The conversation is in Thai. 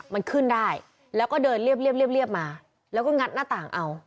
มันขึ้นได้แล้วก็เดินเรียบเรียบเรียบเรียบมาแล้วก็งัดหน้าต่างเอา